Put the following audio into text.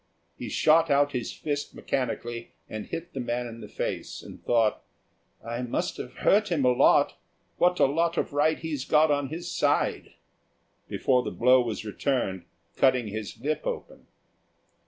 He shot out his fist mechanically, and hit the man in the face, and thought, "I must have hurt him a lot, what a lot of right he's got on his side," before the blow was returned, cutting his lip open.